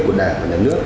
của đảng và nhà nước